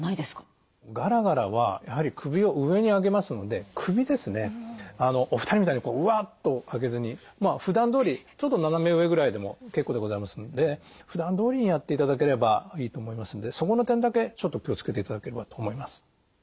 ガラガラはやはり首を上に上げますので首ですねお二人みたいにうわっと上げずにふだんどおりちょっと斜め上ぐらいでも結構でございますのでふだんどおりにやっていただければいいと思いますのでそこの点だけちょっと気を付けていただければと思います。